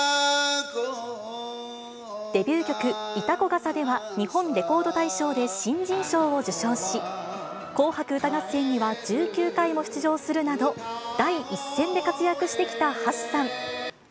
デビュー曲、潮来笠では、日本レコード大賞で新人賞を受賞し、紅白歌合戦には１９回も出場するなど、第一線で活躍してきた橋さん。